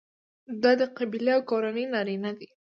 دا د قبیلې او کورنۍ نارینه دي.